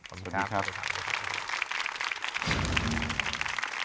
ขอบคุณนะครับ